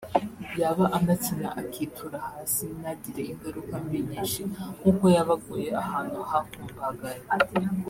yaba anakina akitura hasi ntagire ingaruka mbi nyinshi nk’uko yaba aguye ahantu hakumbagaye"